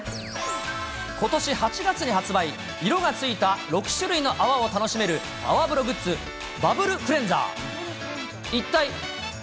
ことし８月に発売、色がついた６種類の泡を楽しめる泡風呂グッズ、バブルクレンザー。